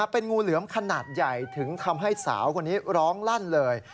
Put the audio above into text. เป็นงูเหลือมขนาดใหญ่ถึงทำให้สาวคนนี้ร้องลั่นเลย